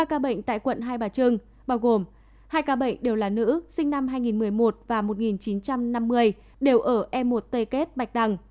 ba ca bệnh tại quận hai bà trưng bao gồm hai ca bệnh đều là nữ sinh năm hai nghìn một mươi một và một nghìn chín trăm năm mươi đều ở e một t kết bạch đằng